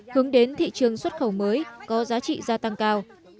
hướng đến thị trường xuất khẩu mới có giá trị gia tăng cao